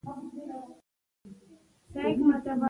ملګري یې ګرفتار کړ.